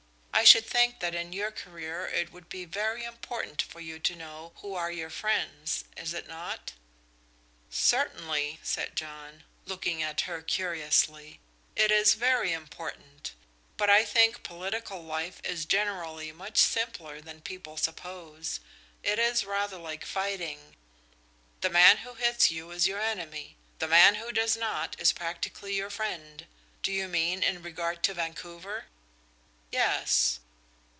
I should think that in your career it would be very important for you to know who are your friends. Is it not?" "Certainly," said John, looking at her curiously. "It is very important; but I think political life is generally much simpler than people suppose. It is rather like fighting. The man who hits you is your enemy. The man who does not is practically your friend. Do you mean in regard to Vancouver?" "Yes."